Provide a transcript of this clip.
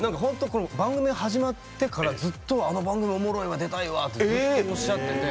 番組始まってからあの番組おもろいわ出たいわっておっしゃってて。